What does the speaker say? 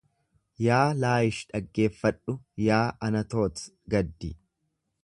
Yaa Laayish dhaggeeffadhu, yaa Anatoot gaddi.